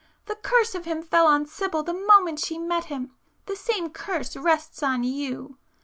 The curse of him fell on Sibyl the moment she met him,—the same curse rests on you!